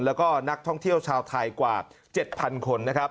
แล้วก็นักท่องเที่ยวชาวไทยกว่า๗๐๐คนนะครับ